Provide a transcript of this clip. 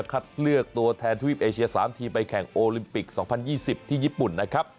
คัดเลือกตัวแทนทวิปเอเชีย๓ทีมไปแข่งโอลิมปิก๒๐๒๐ที่ญี่ปุ่นนะครับ